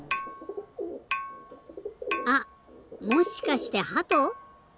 あっもしかしてハト？